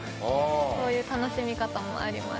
こういう楽しみ方もあります。